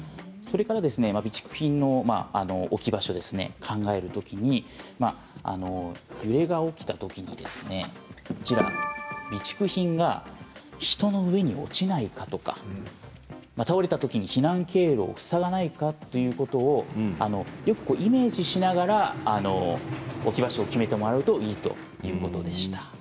それから備蓄品の置き場所を考えるときに揺れが起きたときに備蓄品が人の上に落ちないかとか倒れたときに避難経路を塞がないかということをよくイメージしながら置き場所を決めてもらうといいということでした。